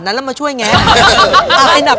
หูรอกตาแล้วแม่งงงง